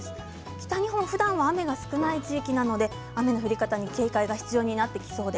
北日本、ふだん雨が少ない地域なので雨の降り方に警戒が必要になります。